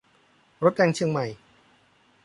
รถแดงเชียงใหม่